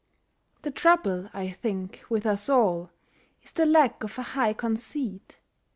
The trouble, I think, with us all Is the lack of a high conceit.